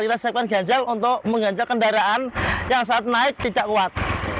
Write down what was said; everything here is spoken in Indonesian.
kita siapkan ganjal untuk mengganjal kendaraan yang saat naik tidak kuat